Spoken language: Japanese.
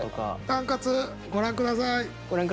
「タンカツ」ご覧下さい。